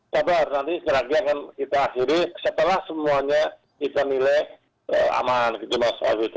sabar nanti keragian akan kita akhiri setelah semuanya kita milih aman gitu mas azhidah